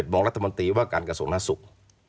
๑๑โมงรัฐมนตรีว่าการกระสงค์หน้าสุข